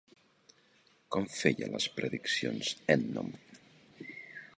Com feia les prediccions Ènnom?